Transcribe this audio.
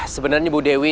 sebenarnya bu dewi